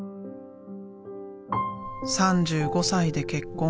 ３５歳で結婚。